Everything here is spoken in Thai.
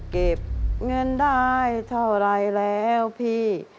เก็บเงินได้เท่าไรแล้วพี่